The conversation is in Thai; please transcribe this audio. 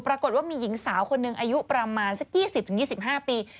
ปรากฏว่ามีหญิงสาวคนหนึ่งอายุประมาณสัก๒๐๒๕ปี